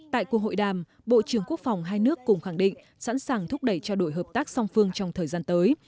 tại cuộc hội đàm bộ trưởng quốc phòng hai nước cùng khẳng định sẵn sàng thúc đẩy trao đổi hợp tác song phương trong thời gian tới